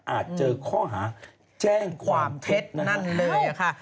เจอข้อหาแจ้งความเท็จนั่นเลยค่ะ